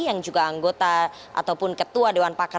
yang juga anggota ataupun ketua dewan pakar